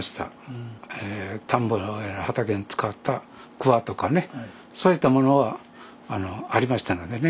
田んぼやら畑に使ったくわとかねそういったものはありましたのでね。